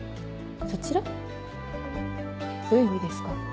どういう意味ですか？